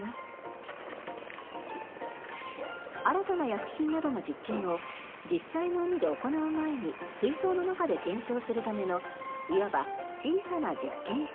新たな薬品などの実験を実際の海で行う前に水槽の中で検証するためのいわば小さな実験室です。